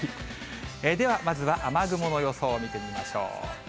では、まずは雨雲の予想を見てみましょう。